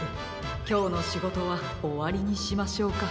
きょうのしごとはおわりにしましょうか。